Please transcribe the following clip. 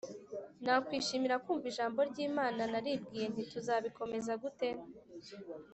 nakwishimira kumva Ijambo ry Imana Naribwiye nti tuzabikomeza gute